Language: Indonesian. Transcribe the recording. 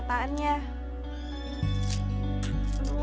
gua ngerjain dia